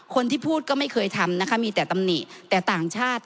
คนที่พูดก็ไม่เคยทำนะคะมีแต่ตำหนิแต่ต่างชาติ